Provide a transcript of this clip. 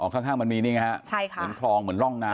ข้างมันมีนี่ไงฮะใช่ค่ะเหมือนคลองเหมือนร่องน้ำ